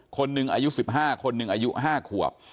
คนหนึ่งอายุ๑๕คนหนึ่งอายุ๕ขวบ